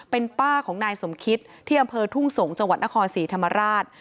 เป็นป้าของนายสมคิตที่อำเภอทุ่งสงศ์จังหวัดนครศรีธรรมราช